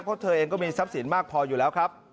เพราะเธอเองก็มีทรัพย์สินมากพออยู่แล้วครับ